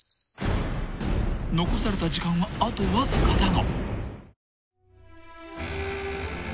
［残された時間はあとわずかだが］